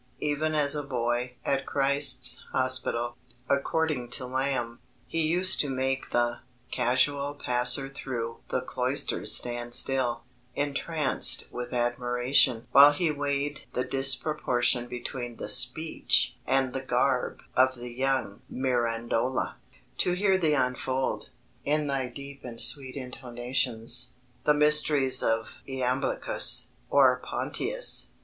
Even as a boy at Christ's Hospital, according to Lamb, he used to make the "casual passer through the Cloisters stand still, intranced with admiration (while he weighed the disproportion between the speech and the garb of the young Mirandola), to hear thee unfold, in thy deep and sweet intonations, the mysteries of Iamblichus, or Plotinus